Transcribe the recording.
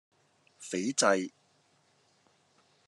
斐濟